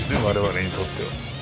我々にとっては。